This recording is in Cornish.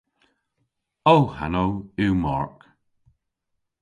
Ow hanow yw Mark.